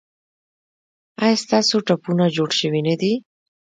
ایا ستاسو ټپونه جوړ شوي نه دي؟